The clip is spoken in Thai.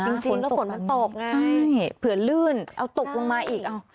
จริงแล้วฝนมันตกไงใช่เผื่อลื่นเอาตกลงมาอีก